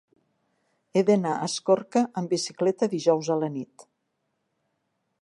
He d'anar a Escorca amb bicicleta dijous a la nit.